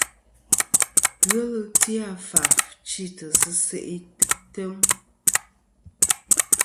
Ghelɨ ti a faf chitɨ sɨ se' item.